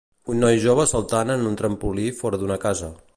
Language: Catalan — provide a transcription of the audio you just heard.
un noi jove saltant en un trampolí fora d'una casa